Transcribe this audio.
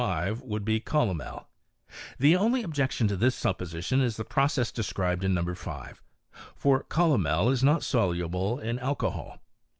5, would be calomel : the only objection to this supposition is the process de scribed in No. 5; for calomel is not soluble in alcohol.